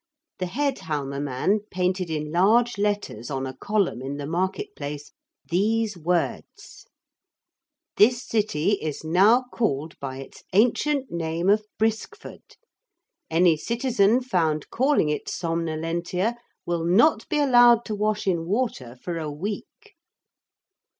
The head Halma man painted in large letters on a column in the market place these words: 'This city is now called by its ancient name of Briskford. Any citizen found calling it Somnolentia will not be allowed to wash in water for a week.'